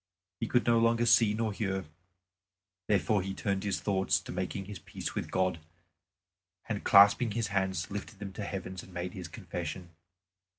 He could no longer see nor hear. Therefore he turned his thoughts to making his peace with God, and clasping his hands lifted them to heaven and made his confession.